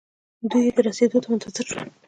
دوئ يې رسېدو ته منتظر شول.